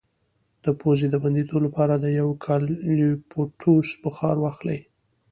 د پوزې د بندیدو لپاره د یوکالیپټوس بخار واخلئ